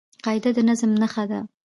قاعده د نظم نخښه ده.